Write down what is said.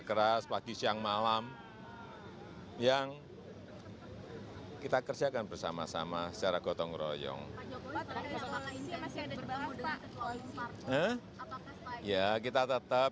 keras pagi siang malam yang kita kerjakan bersama sama secara gotong royong ya kita tetap